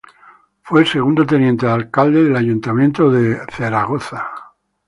Fue Segundo Teniente de Alcalde del Ayuntamiento de Zaragoza.